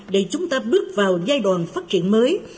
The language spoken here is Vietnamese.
để chúng ta bước vào giai đoạn phát triển mới